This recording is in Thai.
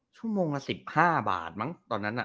ชั่วโมงละ๑๕บาทตอนนั้นน่ะ